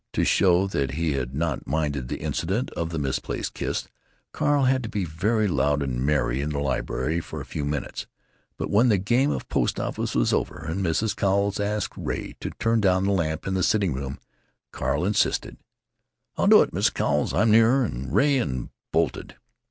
To show that he had not minded the incident of the misplaced kiss, Carl had to be very loud and merry in the library for a few minutes; but when the game of "post office" was over and Mrs. Cowles asked Ray to turn down the lamp in the sitting room, Carl insisted: "I'll do it, Mrs. Cowles; I'm nearer 'n Ray," and bolted.